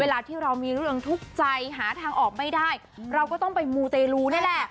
เวลาที่เรามีเรื่องทุกข์ใจหาทางออกไม่ได้เราก็ต้องไปมูเตรลูนี่แหละ